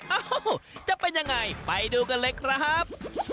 เอ้าจะเป็นยังไงไปดูกันเลยครับ